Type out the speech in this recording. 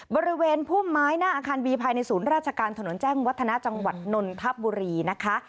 บริเวณพุ่มไม้หน้าอาคารบีภายในศูนย์ราชการถนนแจ้งวัฒนาจังหวัดนนทบุรีนะคะ